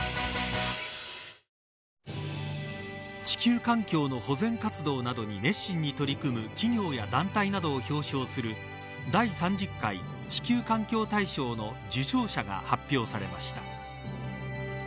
地球環境の保全活動などに熱心に取り組む企業や団体などを表彰する第３０回地球環境大賞の受賞者が発表されました。